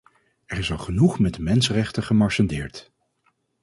Er is al genoeg met de mensenrechten gemarchandeerd.